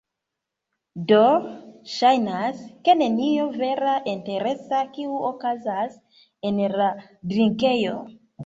Do, ŝajnas, ke nenio vera interesa, kiu okazas en la drinkejo